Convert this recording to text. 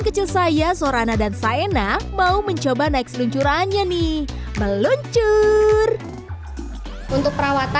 kecil saya sorana dan saina mau mencoba naik seluncurannya nih meluncur untuk perawatan